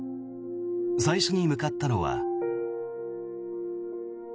最初に向かったのは。